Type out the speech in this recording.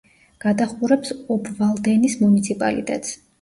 გადაჰყურებს ობვალდენის მუნიციპალიტეტს.